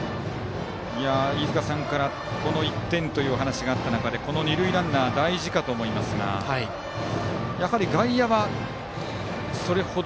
飯塚さんから、この１点というお話があった中でこの二塁ランナー大事かと思いますがやはり外野は動かず。